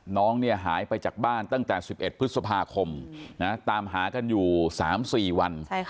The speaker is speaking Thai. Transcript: น้องหายไปจากบ้านตั้งแต่๑๑พฤษภาคมตามหากันอยู่๓๔วัน